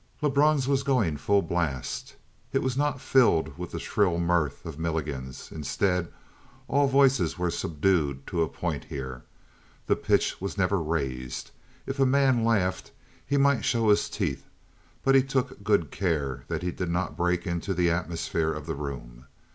Lebrun's was going full blast. It was not filled with the shrill mirth of Milligan's. Instead, all voices were subdued to a point here. The pitch was never raised. If a man laughed, he might show his teeth but he took good care that he did not break into the atmosphere of the room.